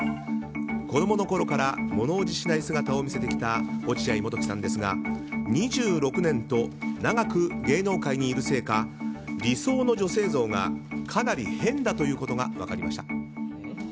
子供のころから物怖じしない姿を見せてきた落合モトキさんですが２６年と長く芸能界にいるせいか理想の女性像がかなり変だということが分かりました。